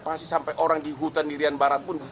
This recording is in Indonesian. pasti sampai orang di hutan dirian barat pun buka